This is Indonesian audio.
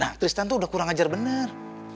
nah tristan tuh udah kurang ajar bener